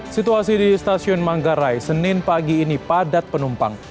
situasi di stasiun manggarai senin pagi ini padat penumpang